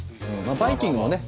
バイキングをね